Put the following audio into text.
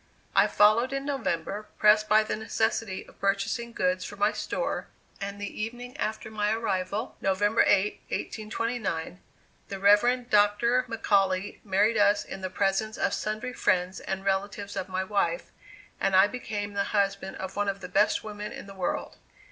I followed in November, pressed by the necessity of purchasing goods for my store; and the evening after my arrival, November 8, 1829, the Rev. Dr. McAuley married us in the presence of sundry friends and relatives of my wife, and I became the husband of one of the best women in the world.